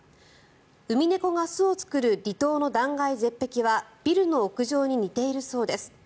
ウミネコが巣を作る離島の断崖絶壁はビルの屋上に似ているそうです。